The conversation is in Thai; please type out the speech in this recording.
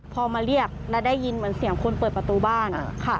พอมาเรียกแล้วได้ยินเหมือนเสียงคนเปิดประตูบ้าน